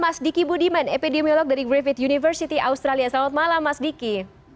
mas diki budiman epidemiolog dari griffith university australia selamat malam mas diki